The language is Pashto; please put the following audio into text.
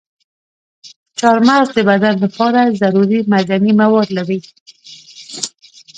چارمغز د بدن لپاره ضروري معدني مواد لري.